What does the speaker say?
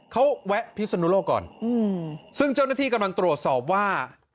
เขาแวะพิศนุโลกก่อนซึ่งเจ้าหน้าที่กำลังตรวจสอบว่า